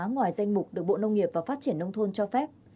ngoài danh mục được bộ nông nghiệp và phát triển nông thôn cho phép